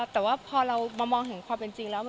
แต่ว่าพอเรามามองเห็นความเป็นจริงแล้ว